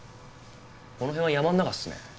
この辺は山ん中っすね。